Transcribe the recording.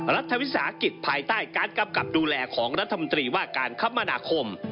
รัฐวิสาหกิจภายใต้การกำกับดูแลของรัฐมนตรีว่าการคมนาคม